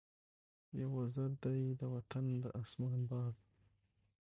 یو وزر دی د وطن د آسمان ، باز